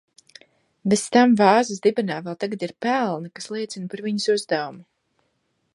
Bez tam vāzes dibenā vēl tagad ir pelni, kas liecina par viņas uzdevumu.